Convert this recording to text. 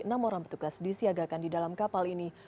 enam orang petugas disiagakan di dalam kapal ini